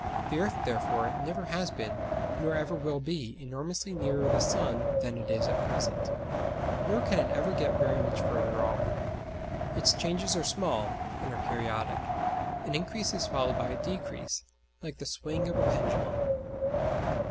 The earth, therefore, never has been, nor ever will be, enormously nearer the sun than it is at present: nor can it ever get very much further off. Its changes are small and are periodic an increase is followed by a decrease, like the swing of a pendulum.